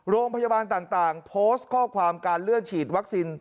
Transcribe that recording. โรงพยาบาลต่างโพสต์ข้อความการเลื่อนฉีดวัคซีน